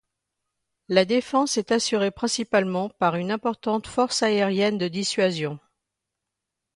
La défense est assurée principalement par une importante force aérienne de dissuasion.